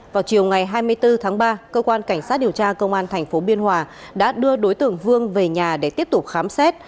vào chiều ngày hai mươi bốn tháng ba cơ quan cảnh sát điều tra công an tp biên hòa đã đưa đối tượng vương về nhà để tiếp tục khám xét